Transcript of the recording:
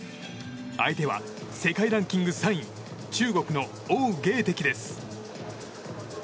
相手は世界ランキング３位中国のオウ・ゲイテキです。